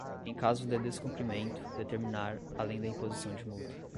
em caso de descumprimento, determinar, além da imposição de multa